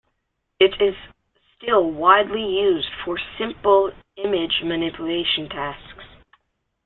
It is still widely used for simple image manipulation tasks.